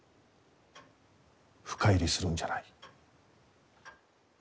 深入りするんじゃない。